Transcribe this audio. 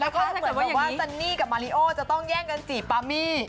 แล้วก็เหมือนบอกว่าซันนี่กับมาริโอจะต้องแย่งกันจีบปามี่